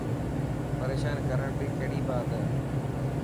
پريشان ڪرڻ ري ڪهڙي بات هي.